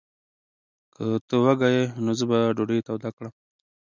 که ته وږی یې، نو زه به ډوډۍ توده کړم.